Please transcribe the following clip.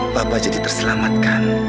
papa jadi terselamatkan